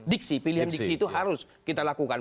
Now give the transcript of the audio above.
diksi pilihan diksi itu harus kita lakukan